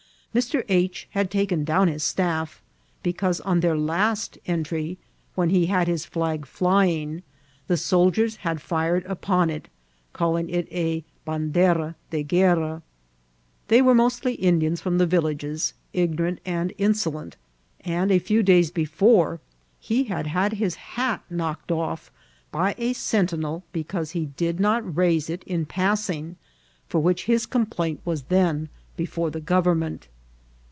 Mr. H. had taken down his staff, because on their last entry, when he had his flag flying, the soldiers had fired upon it, calling it a bandera de guerra. They were mostly Indians from the villages, ignorant and insolent, and a few days before he had his hat knocked off by a sentinel because he did not raise it in passing, for which his complaint was then before the government.